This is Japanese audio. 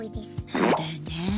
そうだよね。